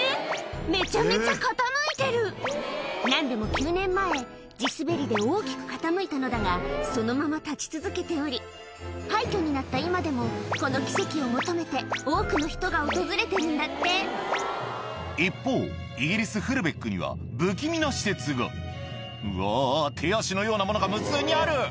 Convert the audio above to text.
めちゃめちゃ傾いてる何でも９年前地滑りで大きく傾いたのだがそのまま立ち続けており廃虚になった今でもこの奇跡を求めて多くの人が訪れてるんだって一方イギリスフルベックには不気味な施設がうわ手足のようなものが無数にある